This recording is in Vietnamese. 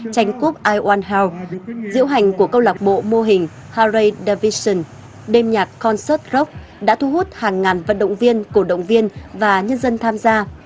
tránh quốc i một health diễu hành của câu lạc bộ mô hình harae division đêm nhạc concert rock đã thu hút hàng ngàn vận động viên cổ động viên và nhân dân tham gia